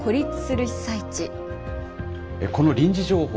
この臨時情報